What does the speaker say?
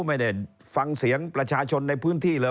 ไม่ได้ฟังเสียงประชาชนในพื้นที่เลย